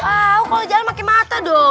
ah kok lo jalan pake mata dong